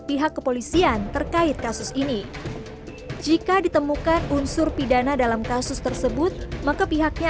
pihak kepolisian terkait kasus ini jika ditemukan unsur pidana dalam kasus tersebut maka pihaknya